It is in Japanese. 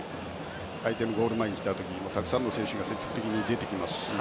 相手のゴール前に来た時にたくさんの選手が積極的に出てきますし。